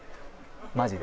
マジで。